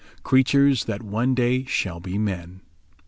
CREATURES THAT ONE DAY SHALL BE MEN.